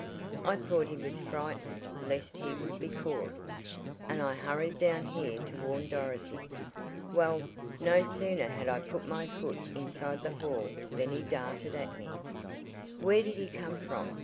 I thought he was frightened lest he would be caught, and I hurried down here to warn Dorothy. Well, no sooner had I put my foot inside the hall than he darted at me " "Where did he come from?"